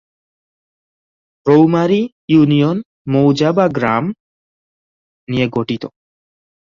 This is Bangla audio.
রৌমারী ইউনিয়ন মৌজা/গ্রাম নিয়ে গঠিত।